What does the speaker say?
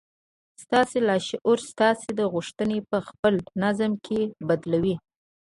ستاسې لاشعور ستاسې غوښتنې پهخپل نظام کې بدلوي